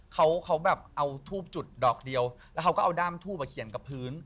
เขาเขาแบบเอาทูบจุดดอกเดียวแล้วเขาก็เอาด้ามทูบอ่ะเขียนกับพื้น